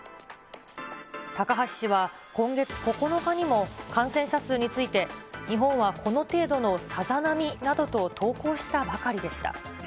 高橋氏は今月９日にも感染者数について、日本はこの程度のさざ波などと投稿したばかりでした。